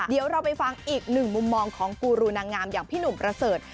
เดี๋ยวเราไปฟังอีกหนึ่งมุมมองของกูรูนางงามอย่างพี่หนุ่มประเสริฐ